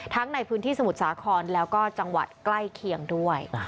ในพื้นที่สมุทรสาครแล้วก็จังหวัดใกล้เคียงด้วย